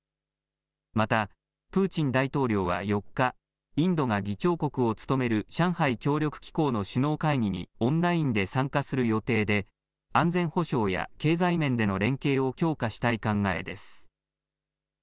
またプーチン大統領は４日、インドが議長国を務める上海協力機構の首脳会議にオンラインで参加する予定で安全保障や経済面での連携を強化したい考えです。